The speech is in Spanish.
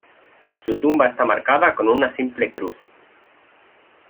Su tumba está marcada con una simple cruz.